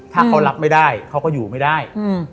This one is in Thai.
ถ้าเขารับไม่ได้เขาก็อยู่ไม่ได้